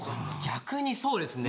逆にそうですね。